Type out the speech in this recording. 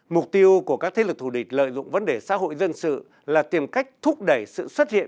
mục tiêu của các thế lực thù địch lợi dụng vấn đề xã hội dân sự là tìm cách thúc đẩy sự xuất hiện